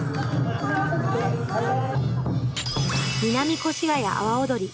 南越谷阿波踊り。